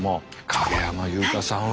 影山優佳さんは。